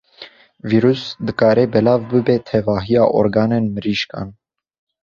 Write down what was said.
Vîrus dikare belav bibe tevahiya organên mirîşkan.